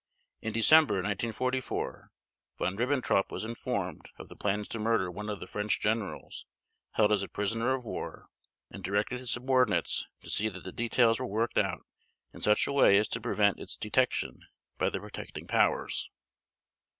In December 1944 Von Ribbentrop was informed of the plans to murder one of the French generals held as a prisoner of war and directed his subordinates to see that the details were worked out in such a way as to prevent its detection by the protecting powers.